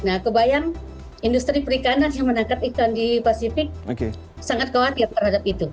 nah kebayang industri perikanan yang menangkap ikan di pasifik sangat khawatir terhadap itu